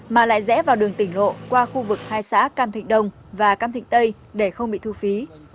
mà lại rẽ vào đường tỉnh lộ qua khu vực hai xã cam thịnh đông và cam thịnh tây để không bị thu phí